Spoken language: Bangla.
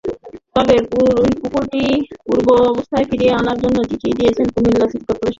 তবে পুকুরটি পূর্বাবস্থায় ফিরিয়ে আনার জন্য চিঠি দিয়েছে কুমিল্লা সিটি করপোরেশন।